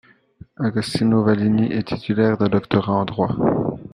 Agostino Vallini est titulaire d'un doctorat en droit.